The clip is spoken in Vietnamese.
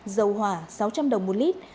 dầu hỏa sáu trăm linh đồng một lít